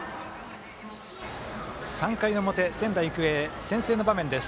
３回の表、仙台育英先制の場面です。